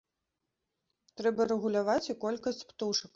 Трэба рэгуляваць і колькасць птушак.